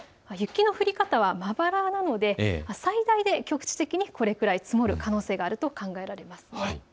雪の降り方はまばらなので最大で局地的にこれくらい積もる可能性があると考えられます。